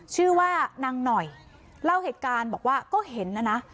ชื่อว่านางหน่อยเล่าเหตุการณ์บอกว่าก็เห็นนะนะ